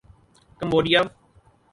Cambodia